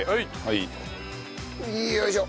よいしょ！